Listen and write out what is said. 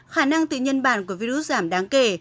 khả năng tự nhân bản của virus giảm đáng kể